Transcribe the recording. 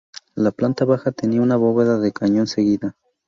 La planta baja tenía una bóveda de cañón seguida.